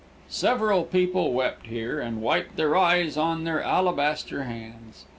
Several people wept here, and wiped their eyes on their alabaster hands.